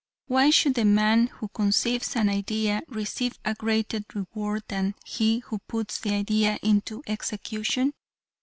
Why should the man who conceives an idea receive a greater reward than he who puts the idea into execution?